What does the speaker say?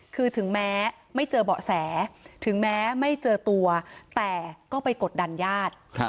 คือถึงแม้ไม่เจอเบาะแสถึงแม้ไม่เจอตัวแต่ก็ไปกดดันญาติ